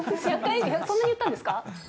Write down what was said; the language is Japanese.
そんなに言ったんですか。